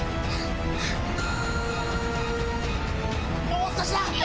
もう少しだ！せの！